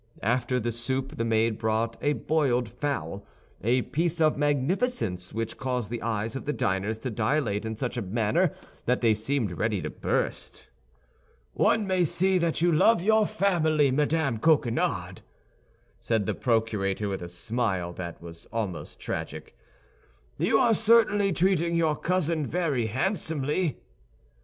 After the soup the maid brought a boiled fowl—a piece of magnificence which caused the eyes of the diners to dilate in such a manner that they seemed ready to burst. "One may see that you love your family, Madame Coquenard," said the procurator, with a smile that was almost tragic. "You are certainly treating your cousin very handsomely!"